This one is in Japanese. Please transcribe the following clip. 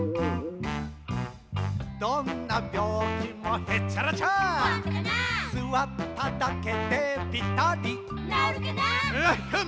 どんなびょうきもへっちゃらちゃほんとかなすわっただけでぴたりなおるかなエヘン！